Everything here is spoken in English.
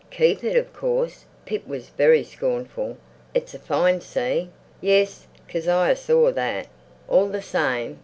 "Keep it, of course!" Pip was very scornful. "It's a find—see?" Yes, Kezia saw that. All the same....